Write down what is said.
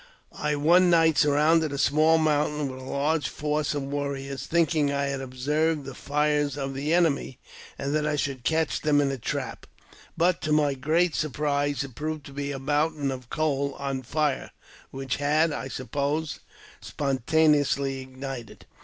I one night surrounded a small mountain with a large force of warriors, thinking I had observed the fires of the enemy, and that I should catch them in trap. But, to my great surprise, it proved to be a mountain of coal on fire, which had, I sup pose, spontaneously ignited.